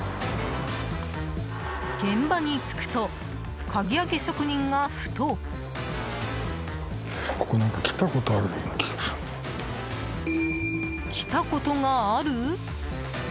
現場に着くと鍵開け職人が、ふと。来たことがある？